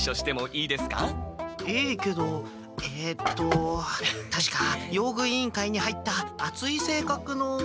いいけどえっとたしか用具委員会に入ったあついせいかくの。